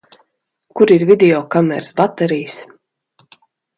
Kur ir videokameras baterijas?